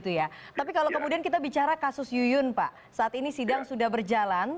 tapi kalau kemudian kita bicara kasus yuyun pak saat ini sidang sudah berjalan